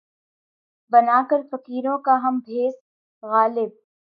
بنا کر فقیروں کا ہم بھیس، غالبؔ!